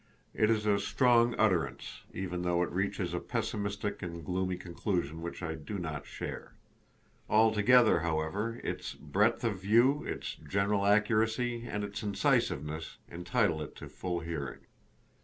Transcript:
It is a strong utterance, even though it reaches a pessimistic and gloomy conclusion which I do not share. Altogether, however, its breadth of view, its general accuracy, and its incisiveness, entitle it to a full hearing.